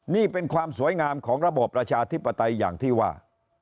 นี่เป็นความสวยงามของระบอบประชาธิปไตยอย่างที่ว่า